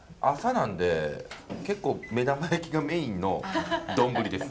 なんで結構目玉焼きがメインの丼です。